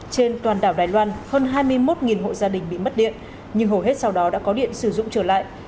trên toàn đảo đài loan hơn hai mươi một hộ gia đình bị mất điện nhưng hầu hết sau đó đã có điện sử dụng trở lại